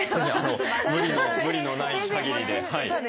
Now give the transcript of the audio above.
無理のない限りで。